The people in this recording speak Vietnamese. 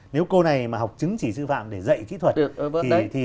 nếu cô này mà học chứng chỉ sư phạm để dạy kỹ thuật